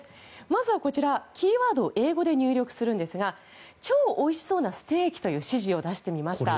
まずこちら、キーワードを英語で記入するんですが「超おいしそうなステーキ」という指示を出してみました。